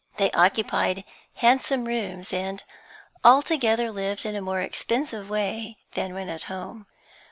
They occupied handsome rooms, and altogether lived in a more expensive way than when at home.